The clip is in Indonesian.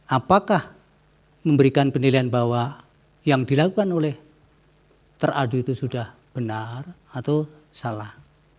apakah memberikan penilaian bahwa yang dilakukan oleh teradu itu sudah benar atau salah